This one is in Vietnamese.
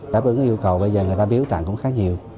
đáp ứng yêu cầu bây giờ người ta biếu tặng cũng khá nhiều